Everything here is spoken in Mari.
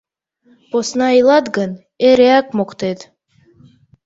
Посна илат гын, эреак моктет.